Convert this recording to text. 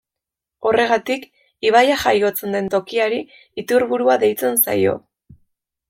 Horregatik ibaia jaiotzen den tokiari iturburua deitzen zaio.